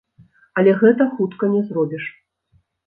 Але гэта хутка не зробіш.